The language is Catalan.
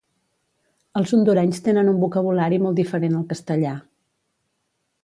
Els Hondurenys tenen un vocabulari molt diferent al castellà